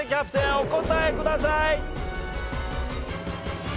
お答えください。